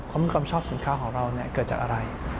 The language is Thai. มีความชอบสินค้าของเราเกิดจากอะไร